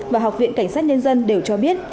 và học viện cảnh sát nhân dân đều cho biết